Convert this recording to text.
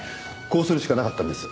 こうするしかなかったんです。